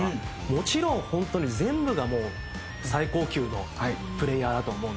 もちろん本当に全部がもう最高級のプレイヤーだと思うんですけど。